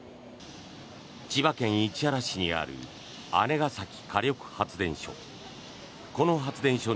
千葉県市原市にある姉崎火力発電所。